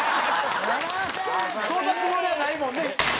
そんなつもりはないもんね。